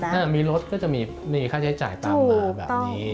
ถ้ามีรถก็จะมีค่าใช้จ่ายตามมาแบบนี้